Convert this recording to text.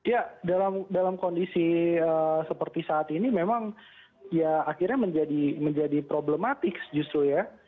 ya dalam kondisi seperti saat ini memang ya akhirnya menjadi problematik justru ya